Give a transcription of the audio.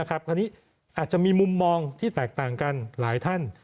คราวนี้อาจจะมีมุมมองที่แตกต่างกันหลายท่าน